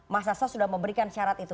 mas hasan sudah memberikan syarat itu